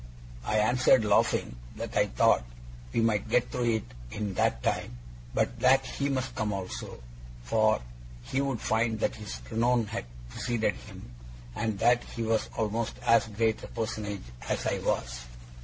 I answered, laughing, that I thought we might get through it in that time, but that he must come also; for he would find that his renown had preceded him, and that he was almost as great a personage as I was.